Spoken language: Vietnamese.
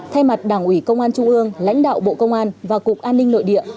thay mặt đảng ủy công an trung ương lãnh đạo bộ công an và cục an ninh nội địa